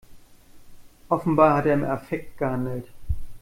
Offenbar hat er im Affekt gehandelt.